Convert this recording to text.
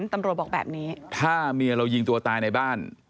ถ้าเมียเรายีงตัวตายในบ้าน